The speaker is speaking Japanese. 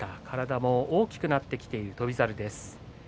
体も大きくなっている翔猿です。